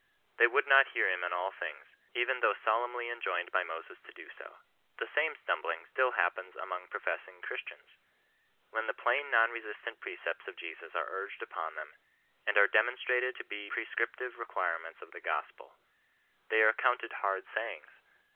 They would not hear him in all things, even though solemnly en joined by Moses to do so. The same stumbling still xiappens among professing Christians. When the plain non resistant precepts of Jesus are urged upon them, ftnd are demonstrated to be prescriptive requirements of CHRISTIAN KOK RESISTAKOB. 55 ihe gospel, they are accounted hard sayings.